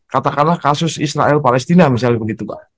katakanlah kasus israel palestina misalnya begitu pak